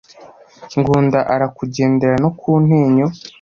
Ngunda arakugendera no ku Ntenyo,